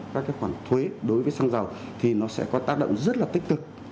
các cái khoản thuế đối với xăng dầu thì nó sẽ có tác động rất là tích cực